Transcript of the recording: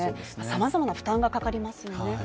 さまざまな負担がかかりますよね。